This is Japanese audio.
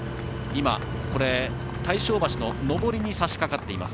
大正橋の上りにさしかかっています。